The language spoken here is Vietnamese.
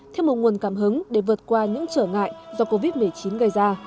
thêm một nguồn cảm hứng để vượt qua những trở ngại do covid một mươi chín gây ra